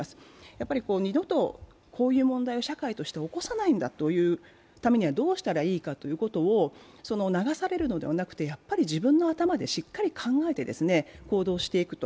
やっぱり二度とこういう問題を社会として起こさないんだっていうためにはどうしたらいいかっていうことを、流されるのではなくて、自分の頭でしっかり考えて行動していくと。